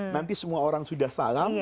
nanti semua orang sudah salam